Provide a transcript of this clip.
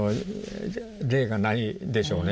例がないでしょうね。